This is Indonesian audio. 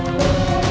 sebab apa yang asli